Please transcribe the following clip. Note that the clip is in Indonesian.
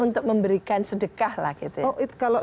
untuk memberikan sedekah lah gitu ya